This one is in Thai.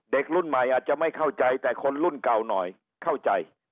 เด็กรุ่นใหม่อาจจะไม่เข้าใจแต่คนรุ่นเก่าหน่อยเข้าใจ